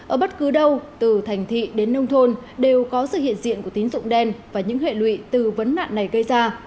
ở bất cứ đâu từ thành thị đến nông thôn đều có sự hiện diện của tín dụng đen và những hệ lụy từ vấn nạn này gây ra